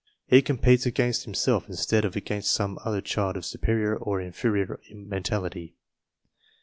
He competes against himself instead of against some other child of superior or inferior mentality.